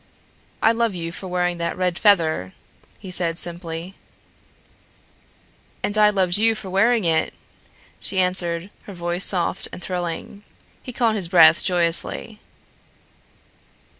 "I love you for wearing that red feather," he said simply. "And I loved you for wearing it," she answered, her voice soft and thrilling. He caught his breath joyously.